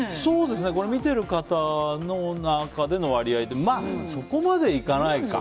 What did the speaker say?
これ見てる方の中での割合でそこまでいかないか。